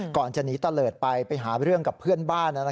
ก่อนจะหนีตะเลิศไปไปหาเรื่องกับเพื่อนบ้าน